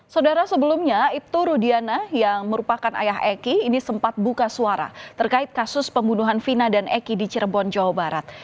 saudara sebelumnya ibtu rudiana yang merupakan ayah eki ini sempat buka suara terkait kasus pembunuhan vina dan eki di cirebon jawa barat